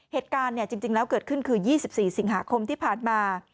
เหตุการณ์จริงแล้วเกิดขึ้นคือ๒๔สิงหาคมที่ผ่านมา